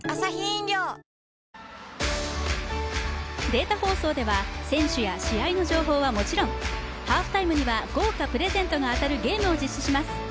データ放送では選手や試合の情報はもちろんハーフタイムには豪華プレゼントが当たるゲームを実施します。